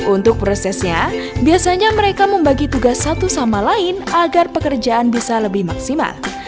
untuk prosesnya biasanya mereka membagi tugas satu sama lain agar pekerjaan bisa lebih maksimal